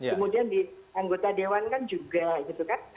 kemudian di anggota dewan kan juga gitu kan